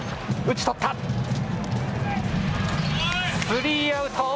スリーアウト。